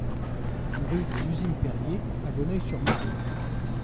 Rue des Usines Périer à Bonneuil-sur-Marne